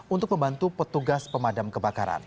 untuk membantu petugas pemadam kebakaran